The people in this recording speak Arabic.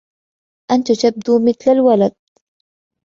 أنتَ تبدو مثل الولد.